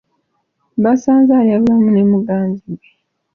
Baasanze alya bulamu ne muganzi we.